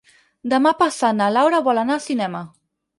Demà passat na Laura vol anar al cinema.